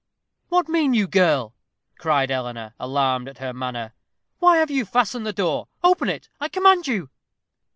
"What mean you, girl?" cried Eleanor, alarmed at her manner. "Why have you fastened the door? Open it, I command you."